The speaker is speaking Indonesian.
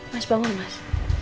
mas bangun mas